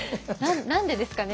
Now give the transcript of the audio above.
何でですかね？